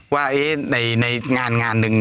ว่าเอ๊ะในงานนึง